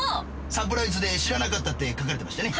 サプライズで知らなかったって書かれてましたよね。